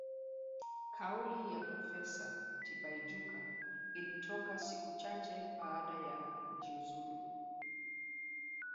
Kauli ya Profesa Tibaijuka ilitoka siku chache baada ya kujiuzulu